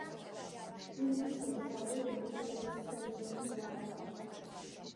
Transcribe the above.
თბილისელთა რიგებში ექვსი სეზონი გაატარა.